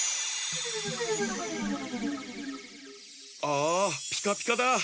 ああピカピカだ。